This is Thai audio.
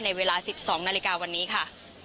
เวลา๑๒นาฬิกาวันนี้ค่ะ